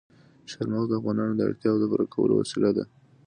چار مغز د افغانانو د اړتیاوو د پوره کولو وسیله ده.